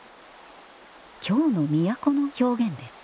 「京の都」の表現です